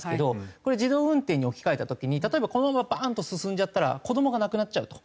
これ自動運転に置き換えた時に例えばこのままバーンと進んじゃったら子どもが亡くなっちゃうと。